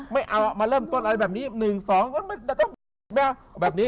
ไม่เอามาเริ่มต้นอะไรแบบนี้หนึ่งสองไม่เอาแบบนี้